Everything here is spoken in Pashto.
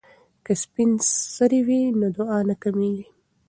که سپین سرې وي نو دعا نه کمیږي.